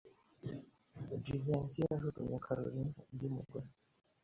Jivency yajugunye Kalorina undi mugore.